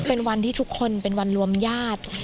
เป็นวันที่ทุกคนเป็นวันรวมญาติ